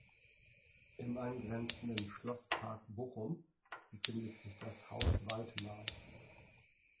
Im angrenzenden "Schlosspark Bochum" befindet sich das "Haus Weitmar".